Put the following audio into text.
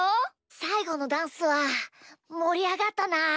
さいごのダンスはもりあがったな！